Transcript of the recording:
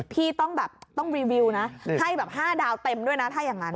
พี่ต้องแบบต้องรีวิวนะให้แบบ๕ดาวเต็มด้วยนะถ้าอย่างนั้น